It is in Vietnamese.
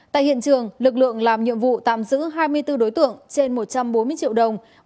tại hiện trường lực lượng làm nhiệm vụ tạm giữ hai mươi bốn đối tượng trên một trăm bốn mươi triệu đồng